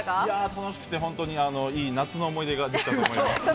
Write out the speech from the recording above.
楽しくて本当にいい夏の思い出ができたと思います。